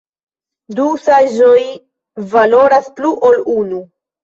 Du saĝoj valoras pli ol unu!